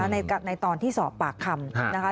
ในตอนที่สอบปากคำนะคะ